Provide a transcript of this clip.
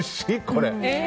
これ。